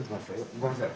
ごめんなさい。